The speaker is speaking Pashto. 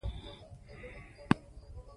ازادي راډیو د ورزش پر وړاندې یوه مباحثه چمتو کړې.